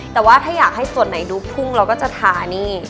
แต่ว่าถ้าอยากให้ส่วนไหนดูทุ่งเราก็จะทานี่